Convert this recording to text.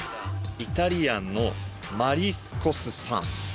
イタリアンのマリスコスさん